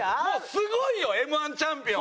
すごいよＭ−１チャンピオン。